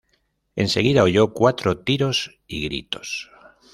Enseguida oyó cuatro tiros y gritos.